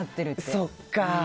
そっか。